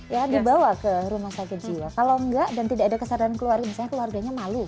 ya dibawa ke rumah sakit jiwa kalau enggak dan tidak ada kesadaran keluarga misalnya keluarganya malu